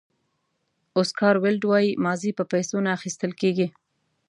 اوسکار ویلډ وایي ماضي په پیسو نه اخیستل کېږي.